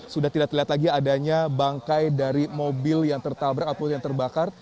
sudah tidak terlihat lagi adanya bangkai dari mobil yang tertabrak ataupun yang terbakar